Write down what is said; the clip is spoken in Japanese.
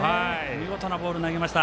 見事なボール投げました。